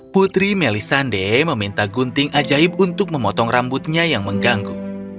putri melisande meminta gunting ajaib untuk memotong rambutnya yang mengganggu